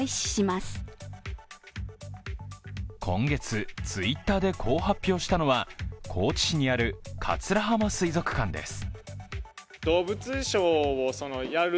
今月、Ｔｗｉｔｔｅｒでこう発表したのは、高知市にある桂浜水族館です。